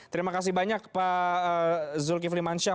terima kasih banyak pak zulkifli mansyah